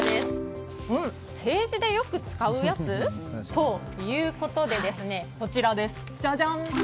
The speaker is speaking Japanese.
政治でよく使うやつということでこちらです。